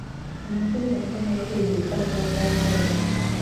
که ماشوم پوښتنه وکړي، نو زده کړه به پیل شي.